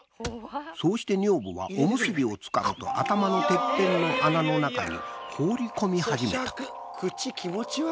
［そうして女房はおむすびをつかむと頭のてっぺんの穴の中に放り込み始めた］